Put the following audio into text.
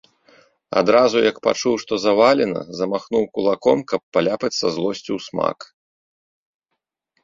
Адразу, як пачуў, што завалена, замахнуў кулаком, каб паляпаць са злосцю, усмак.